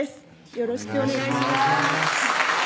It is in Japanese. よろしくお願いします